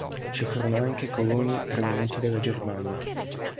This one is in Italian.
Ci furono anche coloni provenienti dalla Germania.